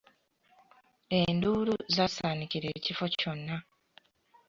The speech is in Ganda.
Enduulu zaasaanikira ekifo kyonna.